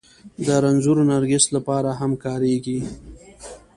د رنځور نرګس لپاره هم کارېږي